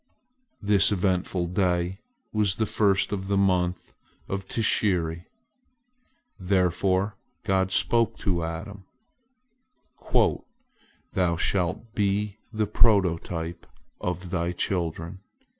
This eventful day was the first of the month of Tishri. Therefore God spoke to Adam: "Thou shalt be the prototype of thy children.